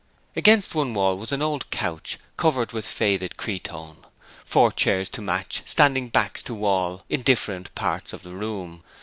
Against one wall was an old couch covered with faded cretonne, four chairs to match standing backs to wall in different parts of the room.